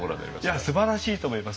いやすばらしいと思います。